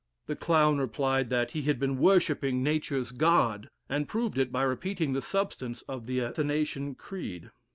The clown replied that "he had been worshipping nature's God," and proved it by repeating the substance of the Athanasian creed.